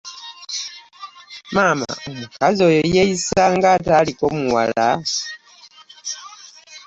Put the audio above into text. Maama omukazi oyo yeeyisa ng'ataaliko muwala!